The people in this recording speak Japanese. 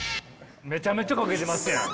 めちゃめちゃかけてますやん。